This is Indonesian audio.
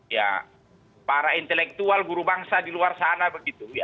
ya para intelektual guru bangsa di luar sana begitu